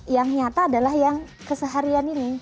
yang nyata adalah yang keseharian ini